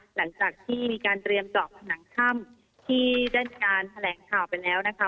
หลังจากที่มีการเตรียมเจาะผนังถ้ำที่ได้มีการแถลงข่าวไปแล้วนะคะ